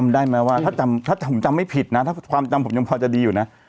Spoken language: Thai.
ได้ไหมว่าถ้าผมจำไม่ผิดนะถ้าความจำผมยังพอจะดีอยู่นะ